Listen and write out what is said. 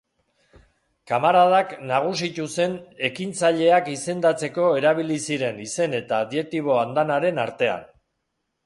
Kamaradak nagusitu zen ekintzaileak izendatzeko erabili ziren izen eta adjektibo andanaren artean.